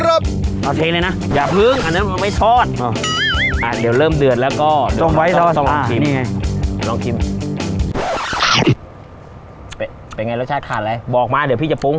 อ่ะเดี๋ยวเริ่มเดือดแล้วก็ลองชิมลองชิมไปไงรสชาติขาดอะไรบอกมาเดี๋ยวพี่จะปรุง